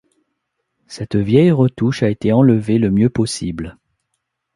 Cette vieille retouche a été enlevée le mieux possible.